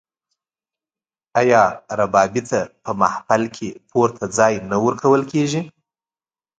آیا ربابي ته په محفل کې پورته ځای نه ورکول کیږي؟